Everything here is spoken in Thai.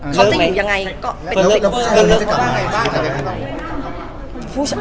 เขาจะอยู่ยังไงก็เป็นเหลือ